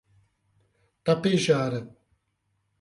Tapejara